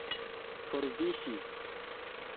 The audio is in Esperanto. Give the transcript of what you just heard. forviŝis